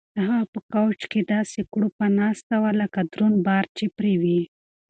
هغه په کوچ کې داسې کړوپه ناسته وه لکه دروند بار چې پرې وي.